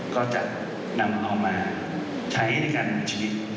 ก็จะนำเอามาใช้ในการนำชีวิต